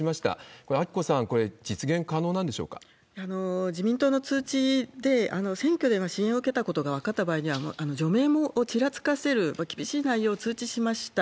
これ、明子さん、自民党の通知で、選挙で支援を受けたことが分かった場合には、もう除名もちらつかせる厳しい内容を通知しました。